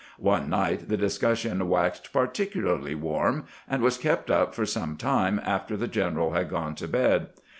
One night the dis cussion waxed particularly warm, and was kept up for some time after the general had gone to bed.